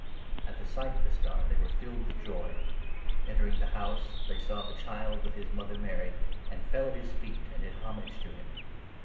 At the sight of the star they 10 were filled with joy. Entering the house, they saw the child n with his mother Mary, and fell at his feet and did homage to him.